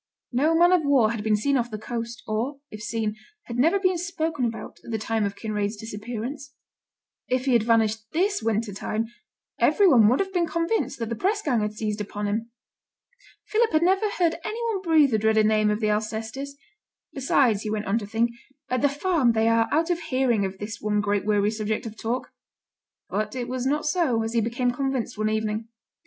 No man of war had been seen off the coast, or, if seen, had never been spoken about, at the time of Kinraid's disappearance. If he had vanished this winter time, every one would have been convinced that the press gang had seized upon him. Philip had never heard any one breathe the dreaded name of the Alcestis. Besides, he went on to think, at the farm they are out of hearing of this one great weary subject of talk. But it was not so, as he became convinced one evening.